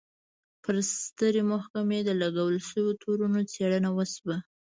پر سترې محکمې د لګول شویو تورونو څېړنه وشوه.